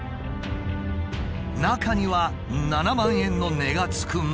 中には７万円の値が付くものまで。